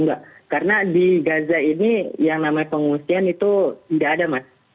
enggak karena di gaza ini yang namanya pengusian itu tidak ada mas